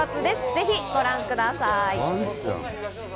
ぜひご覧ください。